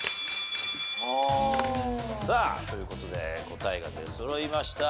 さあという事で答えが出そろいました。